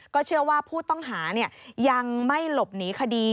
เชื่อว่าผู้ต้องหายังไม่หลบหนีคดี